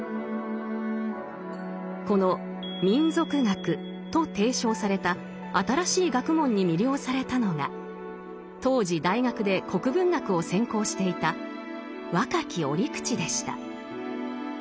この「民俗学」と提唱された新しい学問に魅了されたのが当時大学で国文学を専攻していた若き折口でした。